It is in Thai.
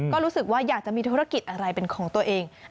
ก็รู้สึกว่าอยากจะมีธุรกิจอะไรเป็นของตัวเอง